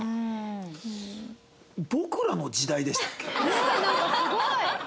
ねえなんかすごい。